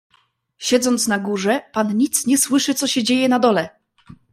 "Siedząc na górze, pan nic nie słyszy, co się dzieje na dole."